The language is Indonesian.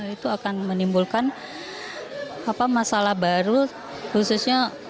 itu akan menimbulkan masalah baru khususnya